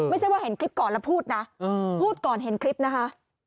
ไม่ใช่ว่าเห็นคลิปก่อนแล้วพูดนะพูดก่อนเห็นคลิปนะคะ